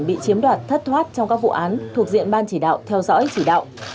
bị chiếm đoạt thất thoát trong các vụ án thuộc diện ban chỉ đạo theo dõi chỉ đạo